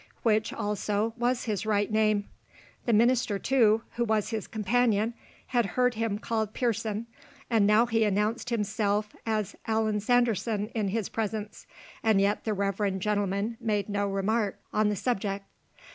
Which, also, was his right name? The minister too, who was his companion, had heard him called Pearson, and he now announced himself as Allan Sanderson in his presence, and yet the reverend gentleman made no remark on the subject.